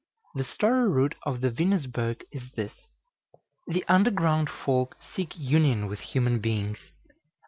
The story root of the Venusberg is this: The underground folk seek union with human beings.